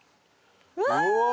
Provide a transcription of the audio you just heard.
うわ！